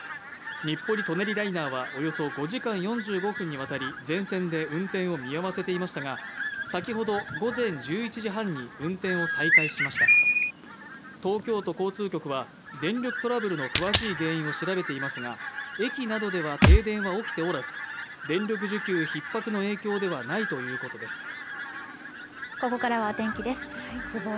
日暮里・舎人ライナーはおよそ５時間４５分にわたり全線で運転を見合わせていましたが先ほど午前１１時半に運転を再開しました東京都交通局は電力トラブルの詳しい原因を調べていますが駅などでは停電は起きておらず電力需給ひっ迫の影響ではないということです